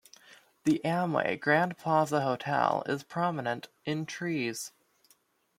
The Amway Grand Plaza Hotel is prominent in "Trees".